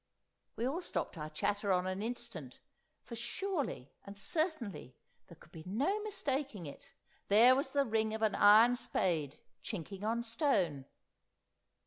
We all stopped our chatter on an instant, for surely and certainly there could be no mistaking it, there was the ring of an iron spade chinking on stone!